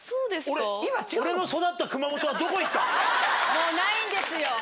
・もうないんですよ！